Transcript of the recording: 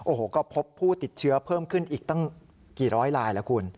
โอ้โหก็พบผู้ติดเชื้อเพิ่มขึ้นอีกตั้งกี่ร้อยลายแล้วคุณ